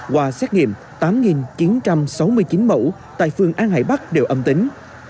qua xét nghiệm tám chín trăm sáu mươi chín mẫu tại phường an hải bắc đều âm tính